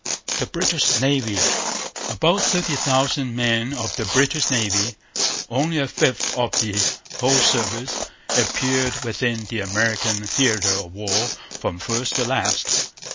The British Navy. About thirty thousand men of the British Navy, only a fifth of the whole service, appeared within the American theatre of war from first to last.